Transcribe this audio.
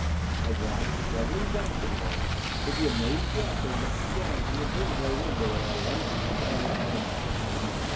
I dragged the struggling Johnson there, with the amazed watcher looking down from the observatory window at our lunging, starlit forms.